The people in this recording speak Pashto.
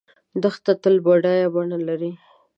دښته تل بدله بڼه لري.